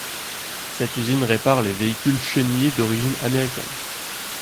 Cette usine répare les véhicules chenillés d'origine américaine.